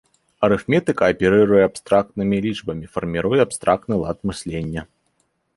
Арыфметыка аперыруе абстрактнымі лічбамі, фарміруе абстрактны лад мыслення.